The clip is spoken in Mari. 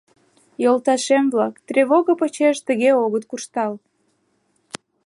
— Йолташем-влак, тревого почеш тыге огыт куржтал.